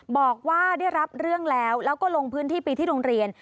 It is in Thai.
บอกว่าได้รับเรื่องแล้วแล้วก็ลงพื้นที่ไปที่โรงเรียน